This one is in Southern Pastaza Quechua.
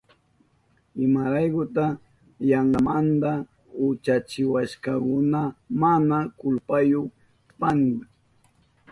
¿Imaraykuta yankamanta uchachiwashkakuna mana kulpayu kashpayni?